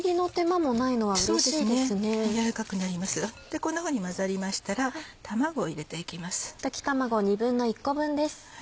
こんなふうに混ざりましたら卵を入れていきます。